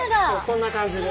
こんな感じで。